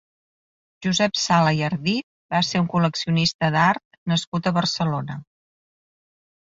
Josep Sala i Ardiz va ser un col·leccionista d’art nascut a Barcelona.